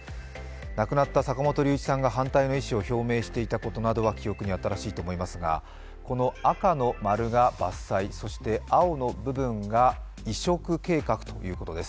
亡くなった坂本龍一さんが反対の表明をしていたことがありますがこの赤の丸が伐採、そして青の部分が移植計画ということです。